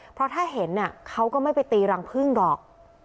เพราะถ้าเห็นเขาก็ไม่ไปตีรังพึ่งหรอก